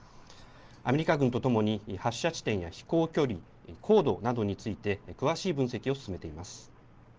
アメリカ軍とともに発射地点や飛行距離、高度などについて詳しい分析を進めています。